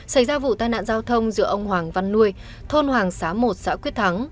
xảy ra vụ tai nạn giao thông giữa ông hoàng văn nuôi thôn hoàng xá một xã quyết thắng